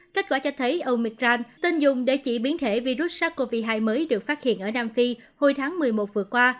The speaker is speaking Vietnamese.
kết quả cho thấy omicran tên dùng để chỉ biến thể virus sars cov hai mới được phát hiện ở nam phi hồi tháng một mươi một vừa qua